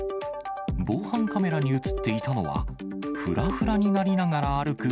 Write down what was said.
防犯カメラに写っていたのは、ふらふらになりながら歩く